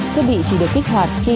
thiết bị chỉ được kích hoạt khi